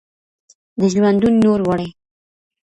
د ژوندون نور وړی